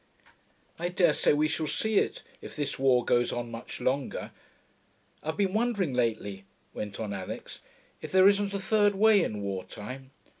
'I dare say we shall see it, if this war goes on much longer.... I've been wondering lately,' went on Alix, 'if there isn't a third way in war time.